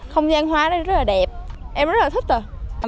không gian hoa này rất là đẹp em rất là thích rồi